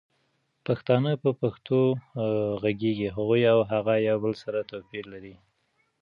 پښتانه په پښتو غږيږي هغوي او هغه يو بل سره توپير لري